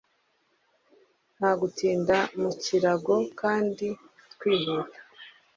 nta gutinda mu kirago kandi twihuta